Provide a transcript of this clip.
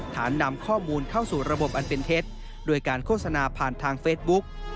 นำข้อมูลเข้าสู่ระบบอันเป็นเท็จโดยการโฆษณาผ่านทางเฟซบุ๊ก